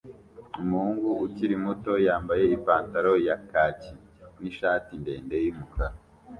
Umuhungu ukiri muto yambaye ipantaro ya kaki n'ishati ndende y'umukara